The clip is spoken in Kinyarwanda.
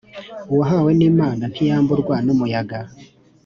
Uwahawe n’Imana ntiyamburwa n’umuyaga.